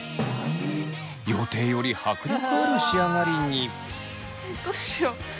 予定より迫力ある仕上がりに。